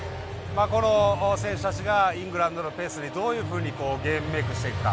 この選手たちがイングランドのペースにどういうふうにゲームメークしていくか。